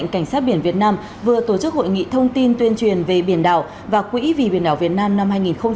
cảnh sát biển việt nam vừa tổ chức hội nghị thông tin tuyên truyền về biển đảo và quỹ vì biển đảo việt nam năm hai nghìn hai mươi